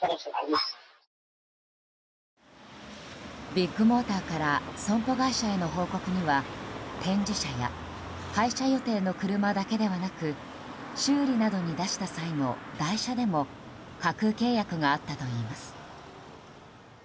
ビッグモーターから損保会社への報告には展示車や廃車予定の車だけではなく修理などに出した際の代車でも架空契約があったといいます。